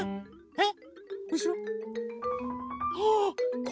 えっ？